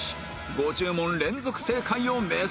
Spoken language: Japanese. ５０問連続正解を目指せ！